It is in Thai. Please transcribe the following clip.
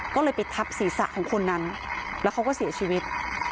ก็เลยไปทับศีรษะของคนนั้นแล้วเขาก็เสียชีวิต